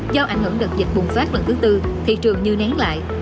do ảnh hưởng đợt dịch bùng phát lần thứ tư thị trường như nén lại